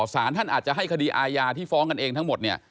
สารท่านอาจจะให้คดีอาญาที่ฟ้องกันเองทั้งหมดเนี่ย